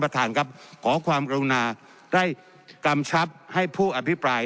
ท่านครับขอความกรุณาได้กำชับให้ผู้อภิปราย